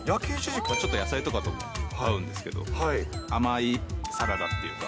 ちょっと野菜とかとも合うんですけど、甘いサラダっていうか。